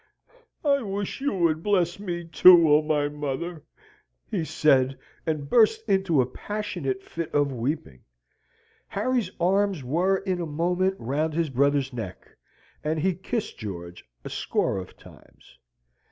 "I wish you would bless me, too, O my mother!" he said, and burst into a passionate fit of weeping. Harry's arms were in a moment round his brother's neck, and he kissed George a score of times.